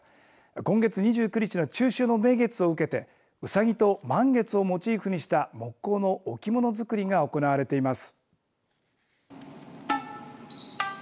今月２９日の中秋の名月を受けてうさぎと満月をモチーフにした木工の置物作りが行われています。